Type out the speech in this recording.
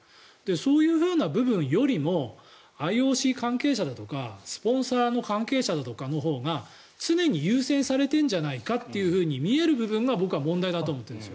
そういうふうな部分よりもＩＯＣ関係者だとかスポンサーの関係者だとかのほうが常に優先されてるんじゃないかと見えるほうが僕は問題だと思ってるんです。